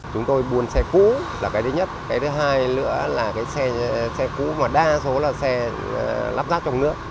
chúng tôi buôn xe cũ là cái thứ nhất cái thứ hai nữa là cái xe cũ mà đa số là xe lắp ráp trong nước